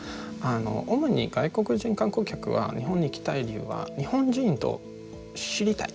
主に外国人観光客は日本に来たい理由は日本人を知りたい。